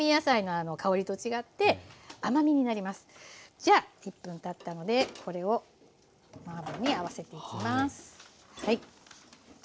じゃあ１分たったのでこれをマーボーに合わせていきます。